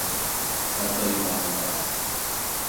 I'll tell you by and by.